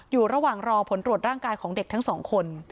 อยู่ระหว่างรอผลตรวจร่างกายของเด็กทั้งสองคน